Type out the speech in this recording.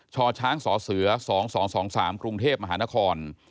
ช้าวช้างสอเสือ๒๒๒๓กรุงเทพฯมหานคร